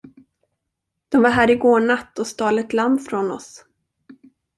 De var här i går natt och stal ett lamm ifrån oss.